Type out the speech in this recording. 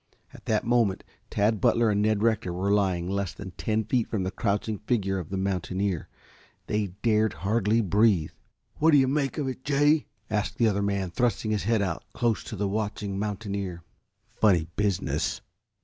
At that moment Tad Butler and Ned Rector were lying less than ten feet from the crouching figure of the mountaineer. They dared hardly breathe. "What do you make of it, Jay?" asked the other man, thrusting his head out close to the watching mountaineer. "Funny business."